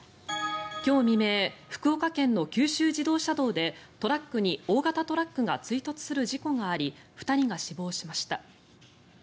今日未明福岡県の九州自動車道でトラックに大型トラックが追突する事故があり２人が死亡しました。